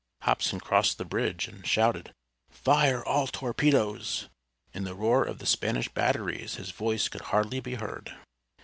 Hobson crossed the bridge, and shouted, "Fire all torpedoes!" In the roar of the Spanish batteries his voice could hardly be heard.